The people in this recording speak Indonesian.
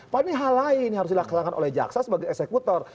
padahal ini hal lain yang harus dilaksanakan oleh jaksa sebagai eksekutor